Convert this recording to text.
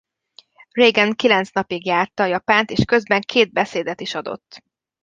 Reagan kilenc napig járta Japánt és közben két beszédet is adott.